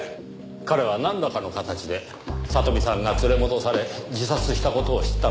彼はなんらかの形で聡美さんが連れ戻され自殺した事を知ったのでしょう。